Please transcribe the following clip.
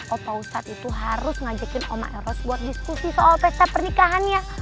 opa ustad itu harus ngajakin woma eros buat diskusi soal pesta pernikahannya